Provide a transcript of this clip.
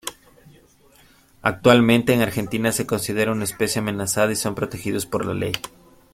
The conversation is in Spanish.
Actualmente en Argentina se considera una especie amenazada y son protegidos por ley.